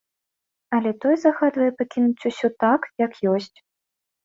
Але той загадвае пакінуць усё так, як ёсць.